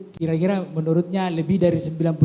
kira kira menurutnya lebih dari